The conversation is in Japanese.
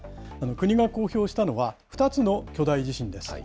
国が公表したのは、２つの巨大地震です。